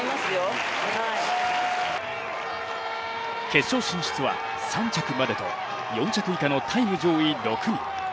決勝進出は３着までと４着以下のタイム上位６人。